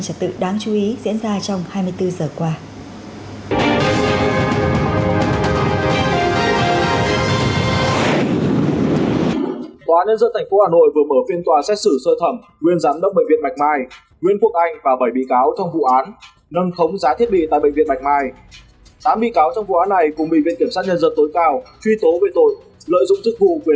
hãy đăng ký kênh của chúng mình nhé